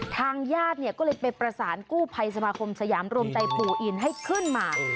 ทางญาติเนี่ยก็เลยไปประสานกู้ภัยสมาคมสยามรวมใจปู่อินให้ขึ้นมา